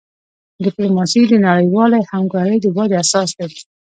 ډیپلوماسي د نړیوالی همکاری د ودي اساس دی.